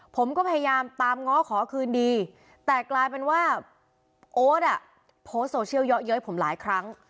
ผมก็พยายามตามง้อขอคืนดีแต่กลายเป็นว่าโอ๊ตอ่ะโพสต์โซเชียลเยอะเย้ยผมหลายครั้ง